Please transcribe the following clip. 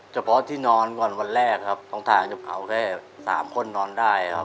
เฉพาะที่นอนก่อนวันแรกครับตรงทางจะเผาแค่สามคนนอนได้ครับ